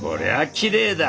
きれいだ！